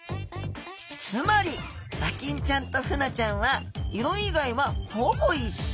つまり和金ちゃんとフナちゃんは色以外はほぼ一緒。